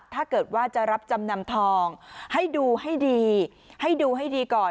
ถ้าเกิดว่าจะรับจำนำทองให้ดูให้ดีให้ดูให้ดีก่อน